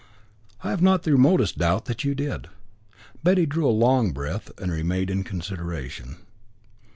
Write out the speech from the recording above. "I have not the remotest doubt that you did." Betty drew a long breath, and remained in consideration.